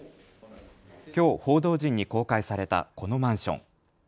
きょう報道陣に公開されたこのマンション。